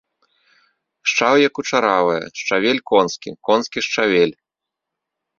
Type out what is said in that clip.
Шчаўе кучаравае, шчавель конскі, конскі шчавель.